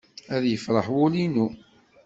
Ad yefreḥ wul-inu.